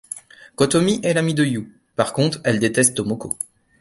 Kotomi est l'amie de Yū — par contre elle déteste Tomoko.